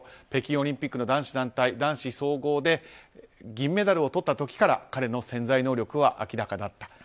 北京オリンピックの男子団体と、個人総合で銀メダルをとった時から彼の潜在能力は明らかだった。